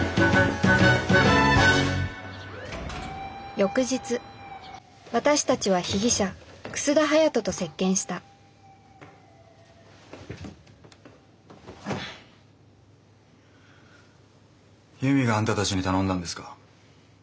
翌日私たちは被疑者楠田隼人と接見した悠美があんたたちに頼んだんですか？